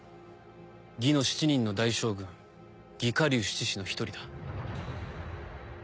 魏の７人の大将軍魏火龍七師の１人だ。